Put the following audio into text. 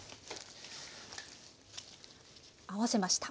合わせました。